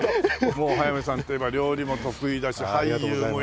もう速水さんといえば料理も得意だし俳優もやる。